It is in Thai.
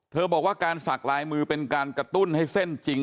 บอกว่าการสักลายมือเป็นการกระตุ้นให้เส้นจริง